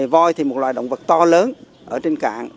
voi thì một loài động vật to lớn ở trên cạn